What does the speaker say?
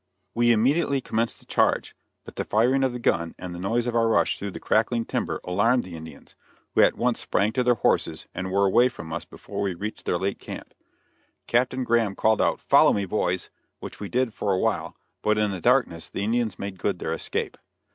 We immediately commenced the charge, but the firing of the gun and the noise of our rush through the crackling timber alarmed the Indians, who at once sprang to their horses and were away from us before we reached their late camp. Captain Graham called out "Follow me boys!" which we did for awhile, but in the darkness the Indians made good their escape.